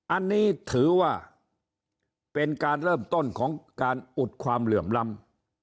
อันนี้ถือว่าเป็นการเริ่มต้นของการอุดความเหลื่อมล้ำ